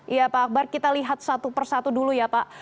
iya pak akbar kita lihat satu persatu dulu ya pak